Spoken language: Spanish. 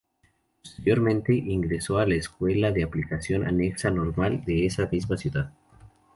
Posteriormente, ingresó a la Escuela de Aplicación anexa Normal de esa misma ciudad.